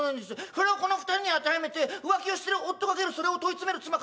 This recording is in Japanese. それをこの２人に当てはめて浮気をしてる夫×それを問い詰める妻×